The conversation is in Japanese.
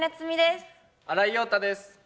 新井庸太です。